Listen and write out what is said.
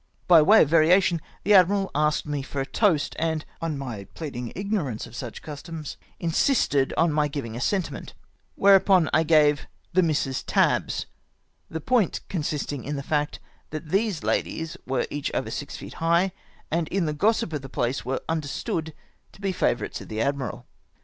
By way of variation the adrnkal asked me for a toast, and on my pleading ignorance of such customs insisted on my giving a sentiment ; whereupon I gave "the IMisses Tabbs," — the point consisting in the fact that these ladies were each over six feet high, and in the gossip of the place were understood to be favourites of the admiral.